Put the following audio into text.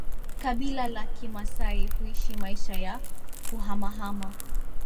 Kabila la Kimasai huishi maisha ya kuhamahama